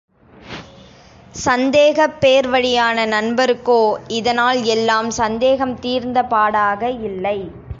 சந்தேகப் பேர்வழியான நண்பருக்கோ, இதனால் எல்லாம் சந்தேகம் தீர்ந்த பாடாக இல்லை.